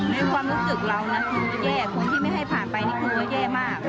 ในความรู้สึกเรานะคุณจะแย่คนที่ไม่ให้ผ่านไปนี่คือว่าแย่มาก